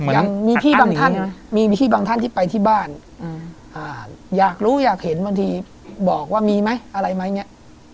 ยังมีพี่บางท่านมีพี่บางท่านที่ไปที่บ้านอยากรู้อยากเห็นบางทีบอกว่ามีไหมอะไรไหมเนี่ย